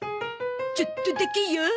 ちょっとだけよ。